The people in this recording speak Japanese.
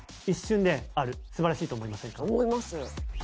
「思います！」